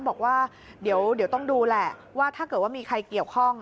บอกว่าเดี๋ยวต้องดูแหละว่าถ้าเกิดว่ามีใครเกี่ยวข้อง